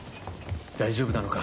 大丈夫なのか？